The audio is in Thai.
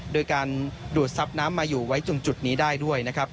โดยการดูดทรัพย์น้ำมาอยู่ไว้ตรงจุดนี้ได้ด้วยนะครับ